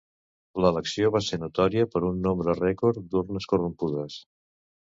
L'elecció va ser notòria per un nombre rècord d'urnes corrompudes.